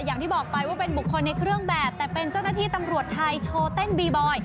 อย่างที่บอกไปเป็นบุคคลในเครื่องแบบเป็นเจ้าหน้าที่ดำรวชทายเจ้าที่เป็นบิบอยข์